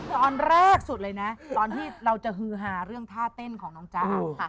ตอนแรกสุดเลยนะตอนที่เราจะฮือฮาเรื่องท่าเต้นของน้องจ๊ะ